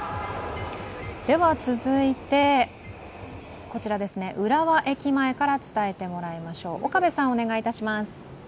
続いて、浦和駅前から伝えてもらいましょう。